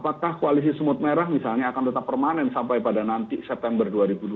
apakah koalisi semut merah misalnya akan tetap permanen sampai pada nanti september dua ribu dua puluh